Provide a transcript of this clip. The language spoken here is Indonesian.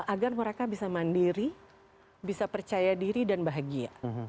agar mereka bisa mandiri bisa percaya diri dan bahagia